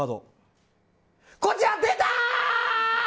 こちら、出た！